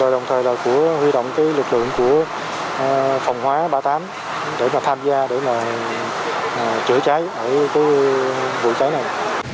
đồng thời huy động lực lượng phòng hóa ba mươi tám để tham gia chữa cháy vụ cháy này